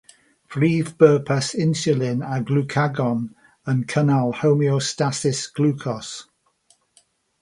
Prif bwrpas inswlin a glwcagon yw cynnal homeostasis glwcos.